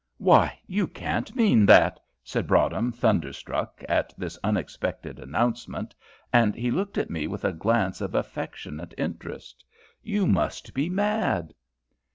"Why! you can't mean that!" said Broadhem, thunderstruck at this unexpected announcement; and he looked at me with a glance of affectionate interest. "You must be mad."